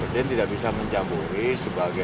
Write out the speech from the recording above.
dan tidak bisa mencampuri sebagai